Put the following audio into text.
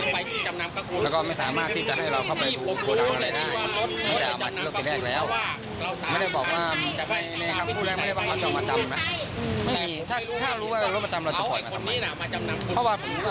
เพราะว่าผมก็เช่าต่อมา